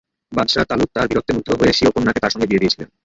বাদশাহ তালুত তাঁর বীরত্বে মুগ্ধ হয়ে স্বীয় কন্যাকে তাঁর সঙ্গে বিয়ে দিয়েছিলেন।